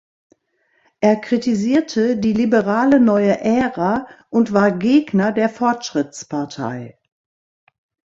Er kritisierte die liberale Neue Ära und war Gegner der Fortschrittspartei.